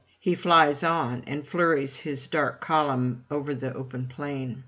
He flies on, and hurries his dark column over the open plain.